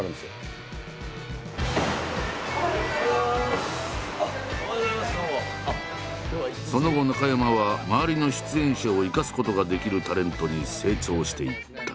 その後中山は周りの出演者を生かすことができるタレントに成長していった。